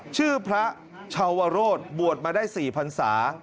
ชื่อพระชาวโรธบวชมาได้๔พันศา